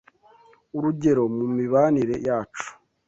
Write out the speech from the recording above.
urugero mu mibanire yacu